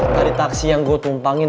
dari taksi yang gue tumpangin